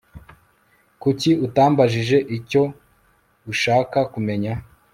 Kuki utambajije icyo ushaka kumenya